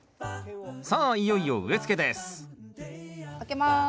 さあいよいよ植えつけです開けます。